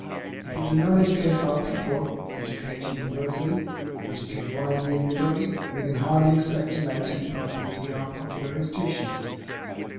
If we do not educate our people, educate universally, educate wisely and liberally, we can hardly expect to maintain permanently our popular institutions.